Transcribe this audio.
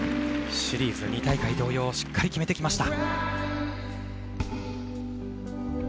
シリーズ２大会同様しっかり決めてきました。